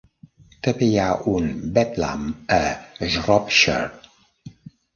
També hi ha un Bedlam a Shropshire.